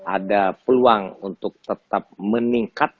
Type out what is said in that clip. ada peluang untuk tetap meningkat